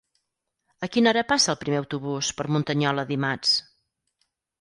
A quina hora passa el primer autobús per Muntanyola dimarts?